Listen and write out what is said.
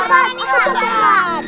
aku mau siap buat